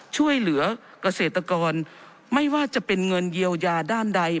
ช่วยเหลือเกษตรกรไม่ว่าจะเป็นเงินเยียวยาด้านใด